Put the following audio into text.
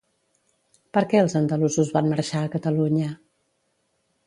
Per què els andalusos van marxar a Catalunya?